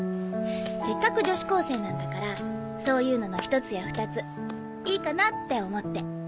せっかく女子高生なんだからそういうのの１つや２ついいかなって思って。